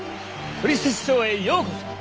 「トリセツショー」へようこそ！